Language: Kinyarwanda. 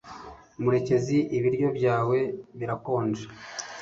murekezi, ibiryo byawe birakonja